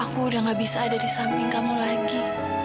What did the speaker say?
aku sudah tidak bisa ada di samping kamu lagi